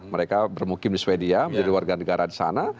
mereka bermukim di sweden menjadi warga negara di sana